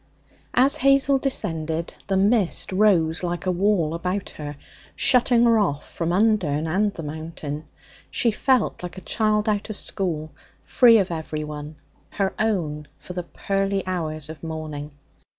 As Hazel descended the mist rose like a wall about her, shutting her off from Undern and the Mountain. She felt like a child out of school, free of everyone, her own for the pearly hours of morning.